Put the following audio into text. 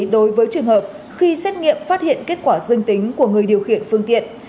đối với trường hợp khi xét nghiệm phát hiện kết quả dương tính của người điều khiển phương tiện